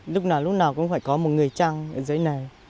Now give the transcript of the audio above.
lúc nào cũng phải có một người trăng ở dưới này